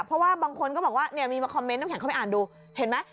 เพราะว่าบางคนก็บอกว่าเนี่ยมีมาคอมเมนต์น้ำแข็งเข้าไปอ่านดูเห็นไหม